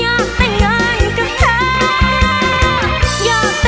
อยากแต่งานกับเธออยากแต่งานกับเธอ